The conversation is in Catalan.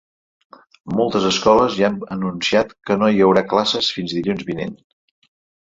Moltes escoles ja han anunciat que no hi haurà classes fins dilluns vinent.